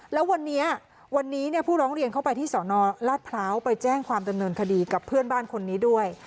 แล้ววันนี้วันนี้ผู้ร้องเรียนเข้าไปที่สนราชพร้าวไปแจ้งความดำเนินคดีกับเพื่อนบ้านคนนี้ด้วย